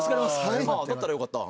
だったらよかった。